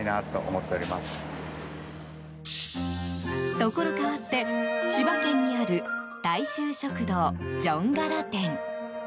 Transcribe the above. ところ変わって、千葉県にある大衆食堂じょんがら店。